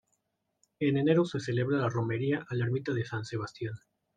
En enero se celebra la romería a la ermita de San Sebastián.